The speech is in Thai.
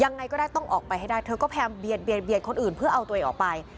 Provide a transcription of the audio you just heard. ยังไงก็ได้ต้องออกไปให้ได้เธอก็พยายามเบียดคนอื่นเพื่อเอาตัวเองออกไป